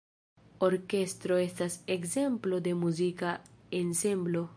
Orkestro estas ekzemplo de muzika ensemblo.